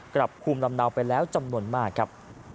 กลับภูมิลำเนาไปแล้วจำนวนมากครับ